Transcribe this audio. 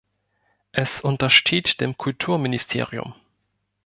Es untersteht dem Kulturministerium.